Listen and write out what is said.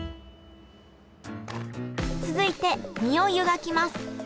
続いて身を湯がきます。